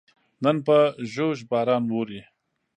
نن په ژوژ باران ووري